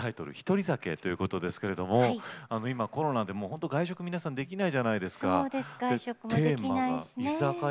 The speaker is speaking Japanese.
「獨り酒」ということでございますけど今、コロナで外食皆さん、できないじゃないですか。